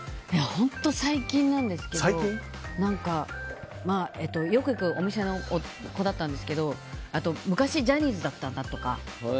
本当最近なんですけどよく行くお店の子だったんですが昔ジャニーズだったんだとか。